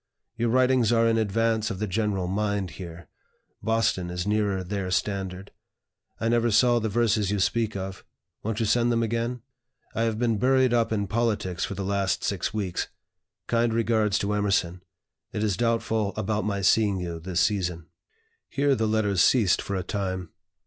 Your writings are in advance of the general mind here; Boston is nearer their standard. I never saw the verses you speak of. Won't you send them again? I have been buried up in politics for the last six weeks. Kind regards to Emerson. It is doubtful about my seeing you this season." Here the letters ceased for a time.